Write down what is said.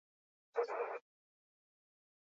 Gaur egun, ibilgailu gehienek atzealdean eramaten dute.